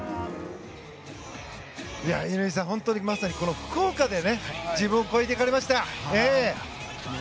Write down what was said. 乾さん、まさに福岡で自分を超えていかれましたよ。